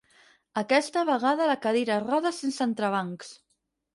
Aquesta vegada la cadira roda sense entrebancs.